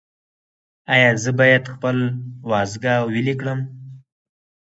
ایا زه باید خپل وازګه ویلې کړم؟